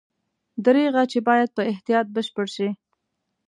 دریغه چې باید په احتیاط بشپړ شي.